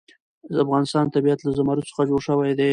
د افغانستان طبیعت له زمرد څخه جوړ شوی دی.